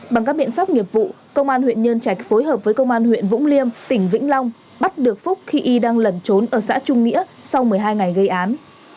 bằng các biện pháp nghiệp vụ công an huyện nhân trạch phối hợp với công an huyện vũng liêm tỉnh vĩnh long bắt được phúc khi y đang lẩn trốn ở xã trung nghĩa sau một mươi hai ngày gây án